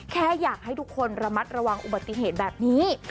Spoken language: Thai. แค่อยากให้ทุกคนระมัดระวังอุบัติเหตุแบบนี้